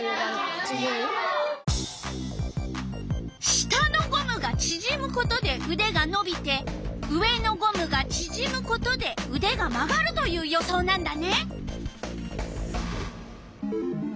下のゴムがちぢむことでうでがのびて上のゴムがちぢむことでうでが曲がるという予想なんだね。